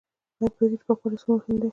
ایا پوهیږئ چې پاکوالی څومره مهم دی؟